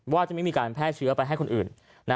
ว่าจะไม่มีการแพร่เชื้อไปให้คนอื่น